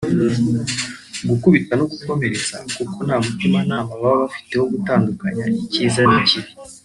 gukubita no gukomeretsa kuko nta mutimanama aba afite wo gutandukanya icyiza n’icyibi